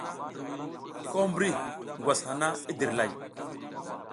Ko mbri ngwas hana i dirlay.